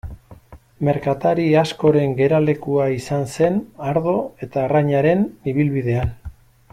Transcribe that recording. Merkatari askoren geralekua izan zen ardo eta arrainaren ibilbidean.